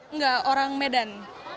enggak orang medan